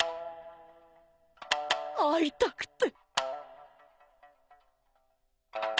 「逢いたくて」